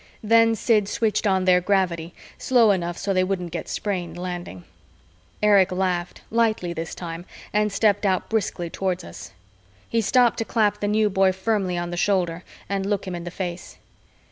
Then Sid switched on their gravity, slow enough so they wouldn't get sprained landing. Erich laughed, lightly this time, and stepped out briskly toward us. He stopped to clap the New Boy firmly on the shoulder and look him in the face.